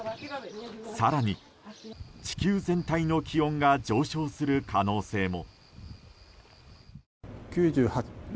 更に、地球全体の気温が上昇する可能性も。